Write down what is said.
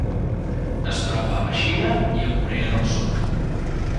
Es troba a la Xina i a Corea del Sud.